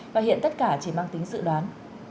và hiện tất cả chỉ mang tính sự đoán